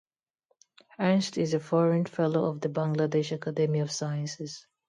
Ernst is a foreign fellow of the Bangladesh Academy of Sciences.